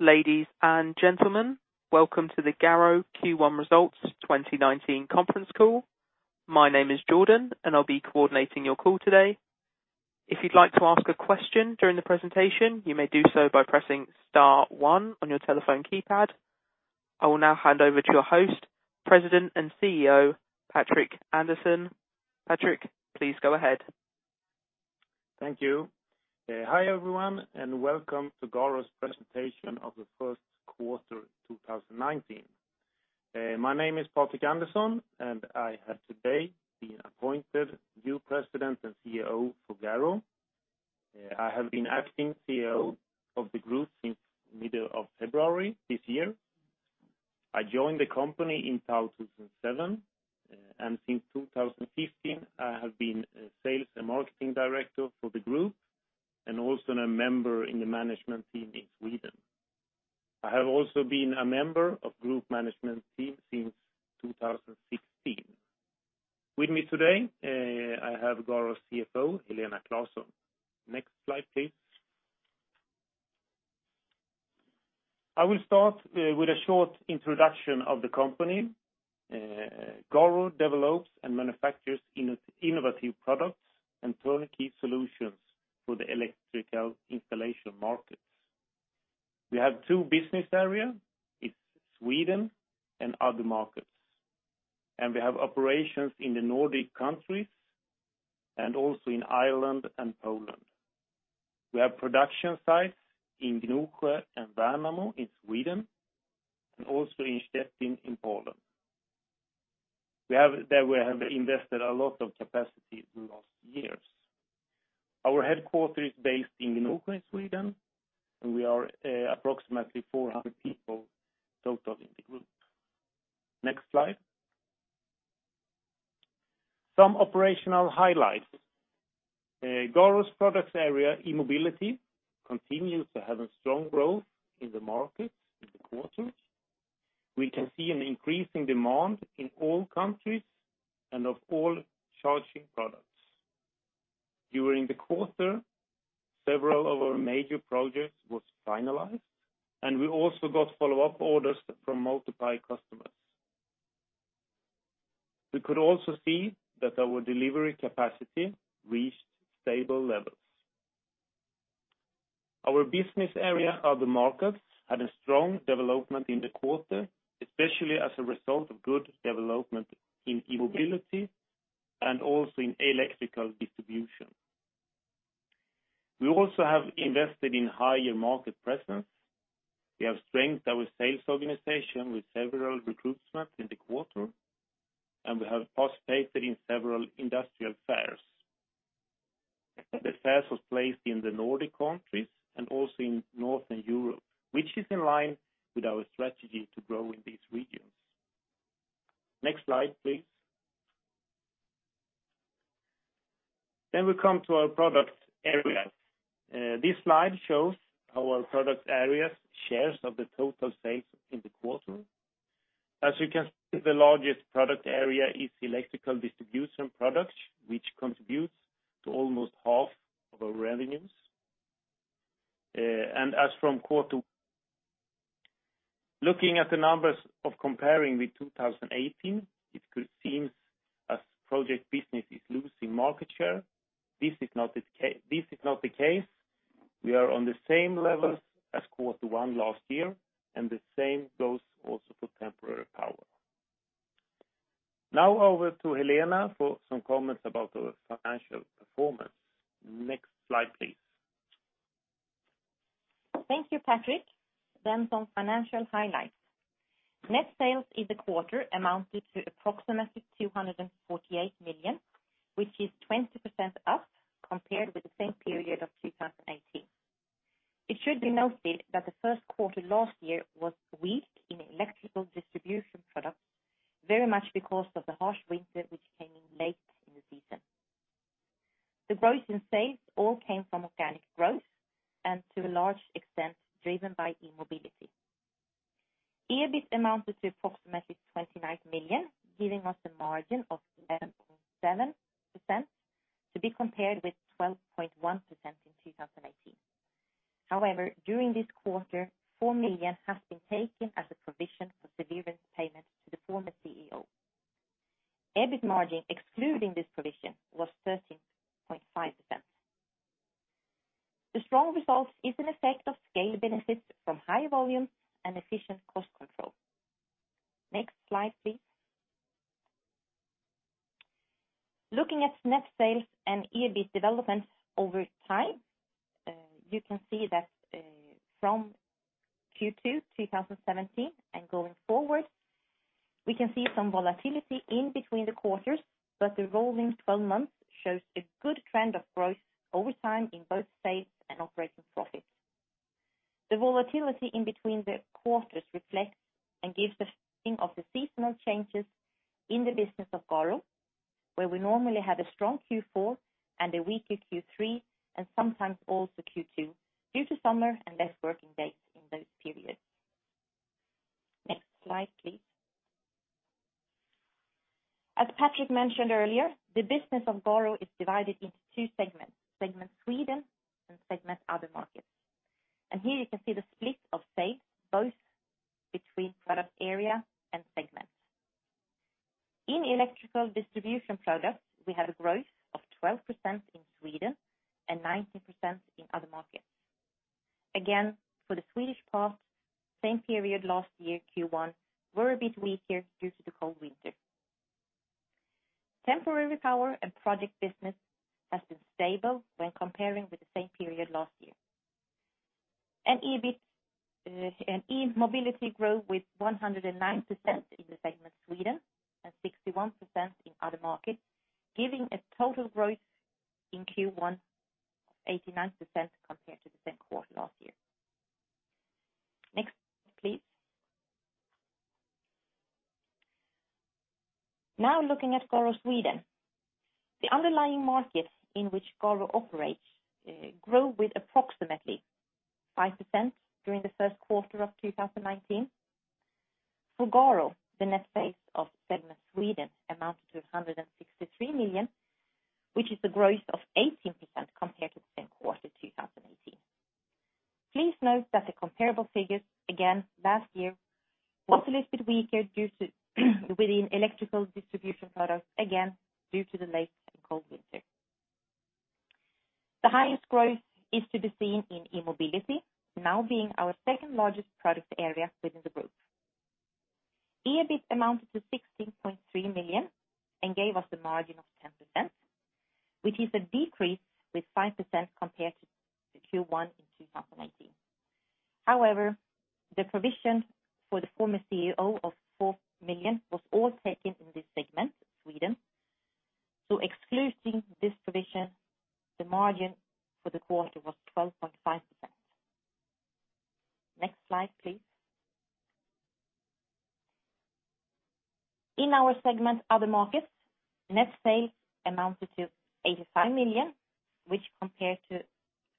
Ladies and gentlemen, welcome to the GARO Q1 Results 2019 conference call. My name is Jordan, and I'll be coordinating your call today. If you'd like to ask aquestion during the presentation, you may do so by pressing star one on your telephone keypad. I will now hand over to your host, President and CEO, Patrik Andersson. Patrik, please go ahead. Thank you. Hi, everyone, and welcome to Garo's presentation of the first quarter, 2019. My name is Patrik Andersson, and I have today been appointed new President and CEO for Garo. I have been acting CEO of the group since middle of February this year. I joined the company in 2007, and since 2015, I have been a sales and marketing director for the group, and also a member in the management team in Sweden. I have also been a member of group management team since 2016. With me today, I have Garo's CFO, Helena Claesson. Next slide, please. I will start with a short introduction of the company. Garo develops and manufactures innovative products and turnkey solutions for the electrical installation markets. We have two business area, it's Sweden and other markets, and we have operations in the Nordic countries and also in Ireland and Poland. We have production sites in Gnosjö and Värnamo in Sweden, and also in Szczecin, in Poland. We have invested a lot of capacity in last years. Our headquarter is based in Gnosjö, Sweden, and we are approximately 400 people total in the group. Next slide. Some operational highlights. GARO's products area, E-mobility, continues to have a strong growth in the markets in the quarter. We can see an increase in demand in all countries and of all charging products. During the quarter, several of our major projects was finalized, and we also got follow-up orders from multiple customers. We could also see that our delivery capacity reached stable levels. Our business area are the markets, had a strong development in the quarter, especially as a result of good development in eMobility and also in electrical distribution. We also have invested in higher market presence. We have strengthened our sales organization with several recruitment in the quarter, and we have participated in several industrial fairs. The fairs was placed in the Nordic countries and also in Northern Europe, which is in line with our strategy to grow in these regions. Next slide, please. Then we come to our product areas. This slide shows our product areas, shares of the total sales in the quarter. As you can see, the largest product area is electrical distribution products, which contributes to almost half of our revenues. As from quarter... Looking at the numbers of comparing with 2018, it could seem as project business is losing market share. This is not the case. We are on the same level as quarter one last year, and the same goes also for Temporary Power. Now over to Helena for some comments about the financial performance. Next slide, please. Thank you, Patrik. Then some financial highlights. Net sales in the quarter amounted to approximately 248 million, which is 20% up compared with the same period of 2018. It should be noted that the first quarter last year was weak in electrical distribution products, very much because of the harsh winter, which came in late in the season. The growth in sales all came from organic growth and to a large extent, driven by eMobility. EBIT amounted to approximately 29 million, giving us a margin of 11.7%, to be compared with 12.1% in 2018. However, during this quarter, 4 million has been taken as a provision for severance payments to the former CEO. EBIT margin, excluding this provision, was 13.5%. The strong results is an effect of scale benefits from high volume and efficient cost control. Next slide, please. Looking at net sales and EBIT developments over time, you can see that, from Q2 2017 and going forward, we can see some volatility in between the quarters, but the rolling twelve months shows a good trend of growth over time in both sales and operating profits. The volatility in between the quarters reflects and gives the feeling of the seasonal changes in the business of Garo, where we normally have a strong Q4 and a weaker Q3, and sometimes also Q2, due to summer and less working days in those periods. Next slide, please. As Patrik mentioned earlier, the business of Garo is divided into two segments: segment Sweden and segment other markets. Here you can see the split of sales, both between product area and segments. In electrical distribution products, we had a growth of 12% in Sweden and 19% in other markets. Again, for the Swedish part, same period last year, Q1, were a bit weaker due to the cold winter. Temporary power and project business has been stable when comparing with the same period last year. And EBIT and E-mobility growth with 109% in the segment Sweden, and 61% in other markets, giving a total growth in Q1 of 89% compared to the same quarter last year. Next, please. Now, looking at GARO Sweden, the underlying markets in which GARO operates, grew with approximately 5% during the first quarter of 2019. For GARO, the net sales of segment Sweden amounted to 163 million, which is a growth of 18% compared to the same quarter, 2018. Please note that the comparable figures, again, last year, was a little bit weaker due to, within electrical distribution products, again, due to the late and cold winter. The highest growth is to be seen in e-mobility, now being our second largest product area within the group. EBIT amounted to 16.3 million and gave us a margin of 10%, which is a decrease with 5% compared to Q1 in 2018. However, the provision for the former CEO of 4 million was all taken in this segment, Sweden. Excluding this provision, the margin for the quarter was 12.5%. Next slide, please. In our segment, other markets, net sales amounted to 85 million, which compared to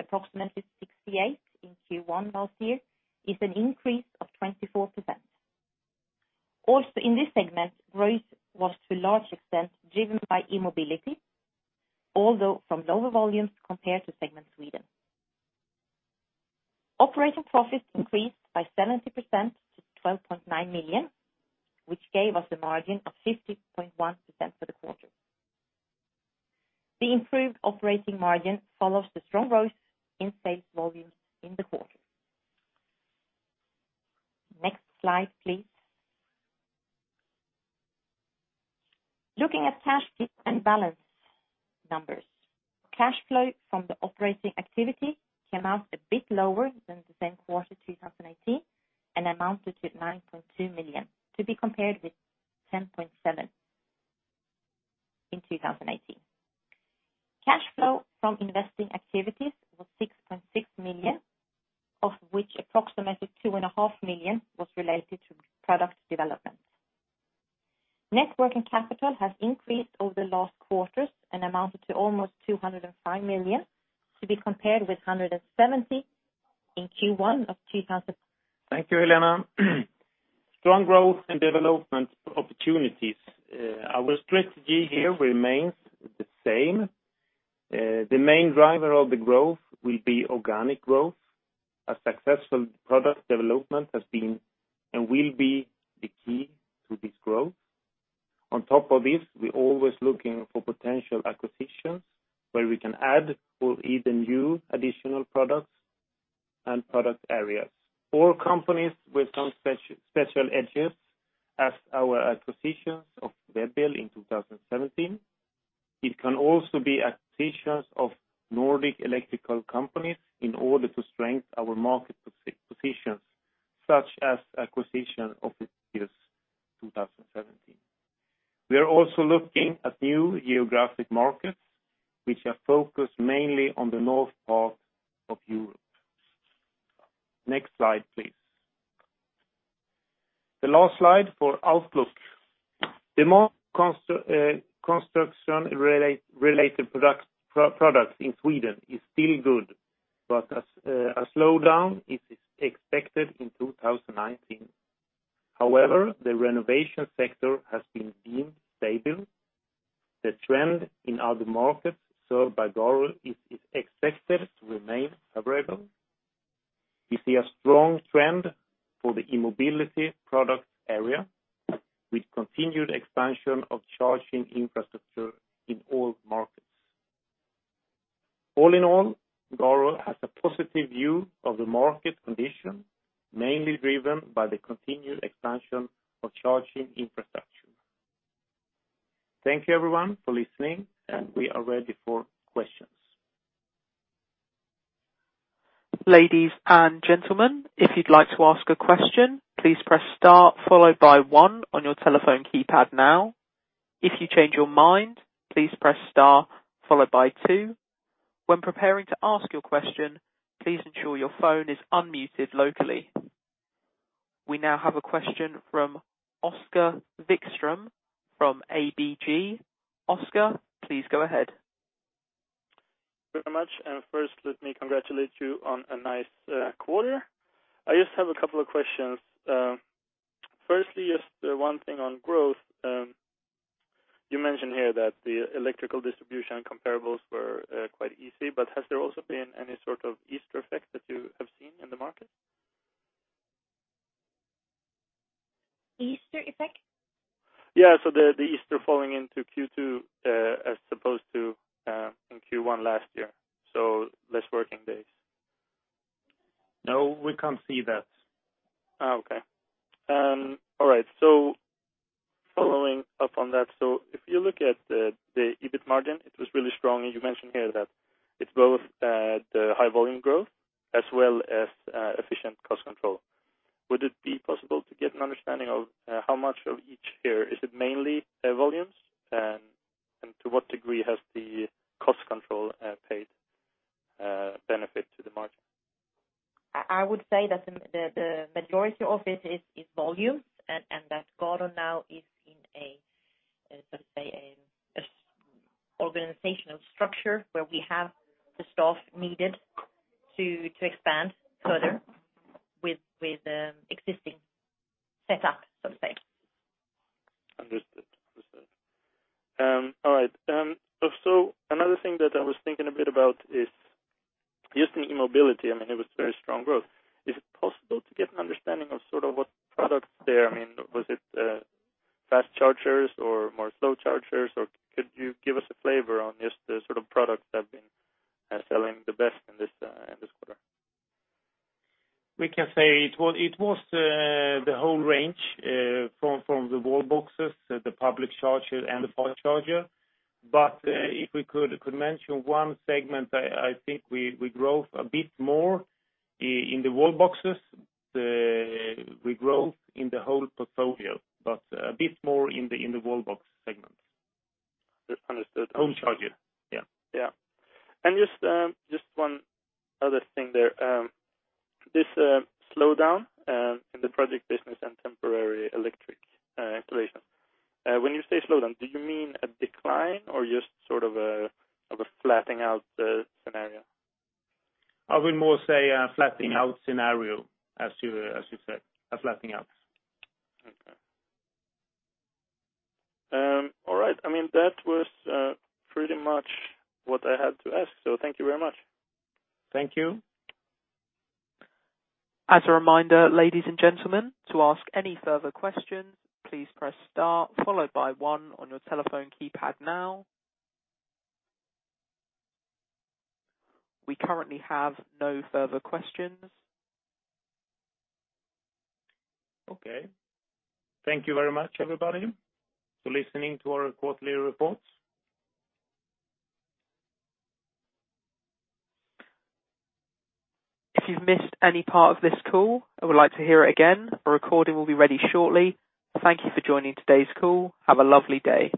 approximately 68 million in Q1 last year, is an increase of 24%. In this segment, growth was to a large extent driven by e-mobility, although from lower volumes compared to segment Sweden. Operating profits increased by 70% to 12.9 million, which gave us a margin of 50.1% for the quarter. The improved operating margin follows the strong growth in sales volumes in the quarter. Next slide, please. Looking at cash and balance numbers. Cash flow from the operating activity came out a bit lower than the same quarter, 2018, and amounted to 9.2 million, to be compared with 10.7 million in 2018. Cash flow from investing activities was 6.6 million, of which approximately 2.5 million was related to product development. Net working capital has increased over the last quarters and amounted to almost 205 million, to be compared with 170 million in Q1 of two thousand- Thank you, Helena. Strong growth and development opportunities, our strategy here remains the same. The main driver of the growth will be organic growth. A successful product development has been, and will be, the key to this growth. On top of this, we're always looking for potential acquisitions, where we can add or even new additional products and product areas, or companies with some special edges, as our acquisitions of Web- EI in 2017. It can also be acquisitions of Nordic electrical companies, in order to strengthen our market positions, such as acquisition of Eurel in 2017. We are also looking at new geographic markets, which are focused mainly on the north part of Europe. Next slide, please. The last slide for outlook. Demand construction related products in Sweden is still good, but a slowdown is expected in 2019. However, the renovation sector has been deemed stable. The trend in other markets served by GARO is expected to remain favorable. We see a strong trend for the e-mobility product area, with continued expansion of charging infrastructure in all markets. All in all, GARO has a positive view of the market condition, mainly driven by the continued expansion of charging infrastructure. Thank you, everyone, for listening, and we are ready for questions. Ladies and gentlemen, if you'd like to ask a question, please press star followed by one on your telephone keypad now. If you change your mind, please press star followed by two. When preparing to ask your question, please ensure your phone is unmuted locally. We now have a question from Oscar Wikström, from ABG. Oscar, please go ahead. Very much. First, let me congratulate you on a nice quarter. I just have a couple of questions. Firstly, just one thing on growth. You mentioned here that the electrical distribution comparables were quite easy, but has there also been any sort of Easter effect that you have seen in the market? Easter effect? Yeah, so the Easter falling into Q2, as opposed to in Q1 last year, so less working days. No, we can't see that. Oh, okay. All right, so following up on that, so if you look at the EBIT margin, it was really strong, and you mentioned here that it's both, the high volume growth as well as, efficient cost control. Would it be possible to get an understanding of, how much of each here? Is it mainly, volumes? To what degree has the cost control, paid benefit to the margin? I would say that the majority of it is volume, and that GARO now is in a, so to say, a organizational structure, where we have the staff needed to expand further with existing setup, so to say. Understood. All right. Another thing that I was thinking a bit about is just in eMobility, I mean, it was very strong growth. Is it possible to get an understanding of sort of what products there I mean, was it fast chargers or more slow chargers? Or could you give us a flavor on just the sort of products that have been selling the best in this quarter? We can say it was the whole range from the Wallbox, the public charger, and the fast charger. If we could mention one segment, I think we grew a bit more in the Wallbox. We grew in the whole portfolio, but a bit more in the Wallbox segment. Understood. Home charger. Yeah. Yeah. And just one other thing there. This slowdown in the project business and temporary electric installation, when you say slowdown, do you mean a decline or just sort of a flattening out scenario? I would more say a flattening out scenario, as you, as you said, a flattening out. Okay. All right. I mean, that was pretty much what I had to ask, so thank you very much. Thank you. As a reminder, ladies and gentlemen, to ask any further questions, please press star followed by one on your telephone keypad now. We currently have no further questions. Okay. Thank you very much, everybody, for listening to our quarterly reports. If you've missed any part of this call and would like to hear it again, a recording will be ready shortly. Thank you for joining today's call. Have a lovely day.